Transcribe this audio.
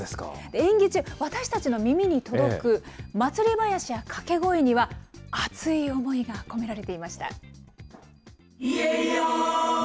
演技中、私たちの耳に届く祭囃子や掛け声には、熱い思いが込められていました。